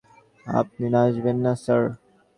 আপনি নাচবেন না, স্যার?